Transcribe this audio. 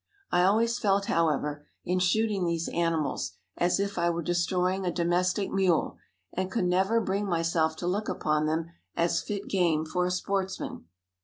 I always felt, however, in shooting these animals, as if I were destroying a domestic mule, and could never bring myself to look upon them as fit game for a sportsman.